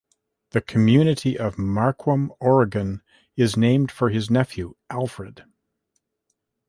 The community of Marquam, Oregon, is named for his nephew, Alfred.